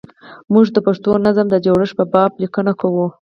موږ د پښتو نظم د جوړښت په باب لیکنه کوو.